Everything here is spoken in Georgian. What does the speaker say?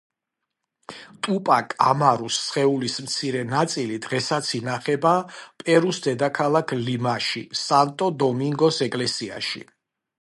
ტუპაკ ამარუს სხეულის მცირე ნაწილი დღესაც ინახება პერუს დედაქალაქ ლიმაში, სანტო-დომინგოს ეკლესიაში.